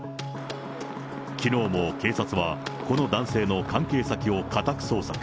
きのうも警察は、この男性の関係先を家宅捜索。